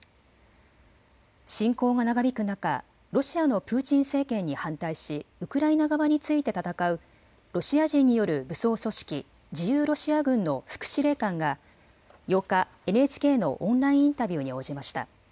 侵攻が長引く中、ロシアのプーチン政権に反対しウクライナ側について戦うロシア人による武装組織、自由ロシア軍の副司令官が８日、ＮＨＫのオンラインインタビューに応じました。